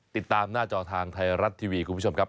ติดตามหน้าจอทางไทยรัฐทีวีคุณผู้ชมครับ